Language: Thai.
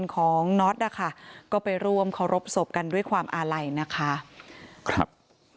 ของน็อตนะคะก็ไปร่วมเคารพศพกันด้วยความอาลัยนะคะครับ